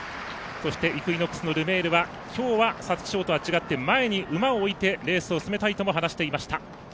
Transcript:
そしてイクイノックスのルメールはきょうは皐月賞とは違って前に馬を置いてレースを進めたいと話していました。